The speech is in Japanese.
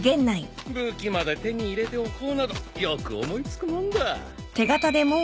武器まで手に入れておこうなどよく思い付くもんだ。